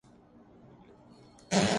گودار پاکستان کاھے اور رہے گا